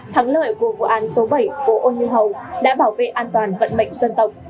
thắng lợi của vụ án số bảy phố ô như hầu đã bảo vệ an toàn vận mệnh dân tộc